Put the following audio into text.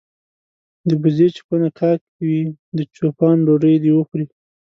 د بزې چې کونه کا کوي د چو پان ډوډۍ دي وخوري.